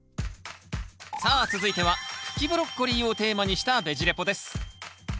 さあ続いては茎ブロッコリーをテーマにした「ベジ・レポ」です